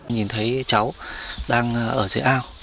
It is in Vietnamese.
nhìn thấy cháu đang ở dưới áo